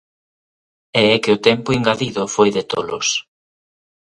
E é que o tempo engadido foi de tolos.